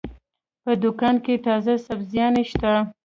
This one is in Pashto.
په دوکان کې تازه سبزيانې شته.